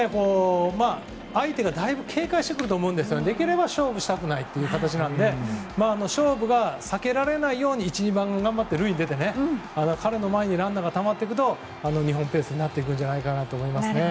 相手がだいぶ警戒してくると思うのでできれば勝負したくないという形なので勝負が避けられないように１、２番が頑張って塁に出て彼の前にランナーがたまると日本ペースになると思います。